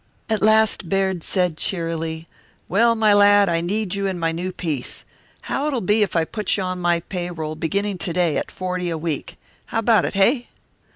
At last Baird said cheerily, "Well, my lad, I need you in my new piece. How'll it be if I put you on my payroll, beginning to day, at forty a week? How about it, hey?"